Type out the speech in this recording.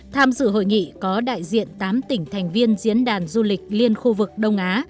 tham dự hội nghị có đại diện tám tỉnh thành viên diễn đàn du lịch liên khu vực đông á